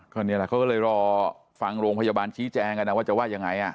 ก็นี่แหละเขาก็เลยรอฟังโรงพยาบาลชี้แจงกันนะว่าจะว่ายังไง